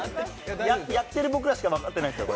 やってる僕らしか分かってないですか？